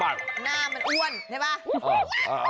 หน้ามันอ้วนใช่ป่ะ